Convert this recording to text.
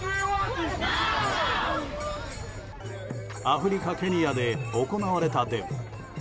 アフリカ・ケニアで行われたデモ。